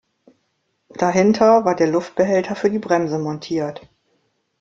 Dahinter war der Luftbehälter für die Bremse montiert.